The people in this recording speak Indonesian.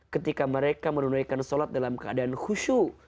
ketika mereka menunaikan sholat dalam keadaan khusyuk